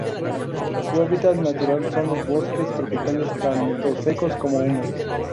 Su hábitat natural son los bosques tropicales tanto secos como húmedos.